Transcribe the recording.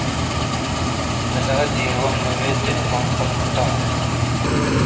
بلا دیر وا نہ ویت تے اپان پر نہ نہ ٹاک